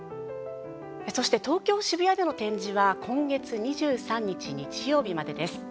そして東京・渋谷での展示は今月２３日、日曜日までです。